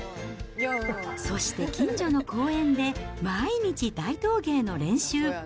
そして近所の公園で、毎日大道芸の練習。